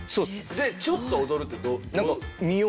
でちょっと踊るってどう？